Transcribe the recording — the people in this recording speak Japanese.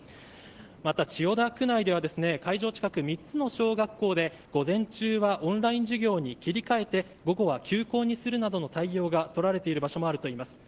また千代田区内では会場近く３つの小学校で午前中はオンライン授業に切り替えて午後は休校にするなどの対応がとられている場所もあるといいます。